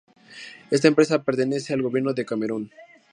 Esta empresa pertenece al gobierno de Camerún.